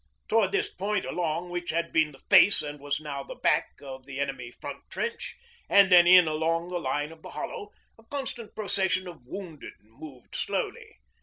Towards this point along what had been the face and was now the back of the enemy front trench, and then in along the line of the hollow, a constant procession of wounded moved slowly.